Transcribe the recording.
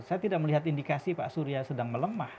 saya tidak melihat indikasi pak surya sedang melemah